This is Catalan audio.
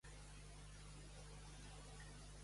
No escau a una matrona la faixa dels infants;